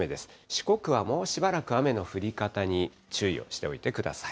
四国はもうしばらく雨の降り方に注意をしておいてください。